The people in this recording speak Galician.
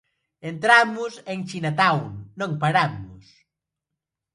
Entramos en Chinatown, non paramos.